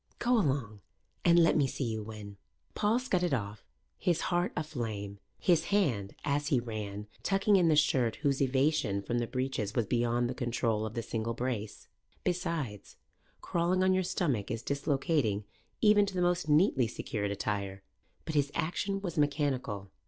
"Go along and let me see you win." Paul scudded off, his heart aflame, his hand, as he ran, tucking in the shirt whose evasion from the breeches was beyond the control of the single brace. Besides, crawling on your stomach is dislocating even to the most neatly secured attire. But his action was mechanical.